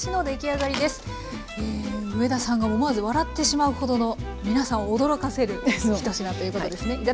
上田さんが思わず笑ってしまうほどの皆さんを驚かせる１品ということですね。